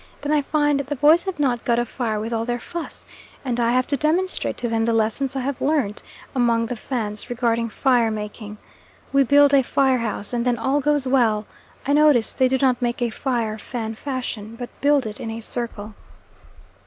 Then I find the boys have not got a fire with all their fuss, and I have to demonstrate to them the lessons I have learnt among the Fans regarding fire making. We build a fire house and then all goes well. I notice they do not make a fire Fan fashion, but build it in a circle.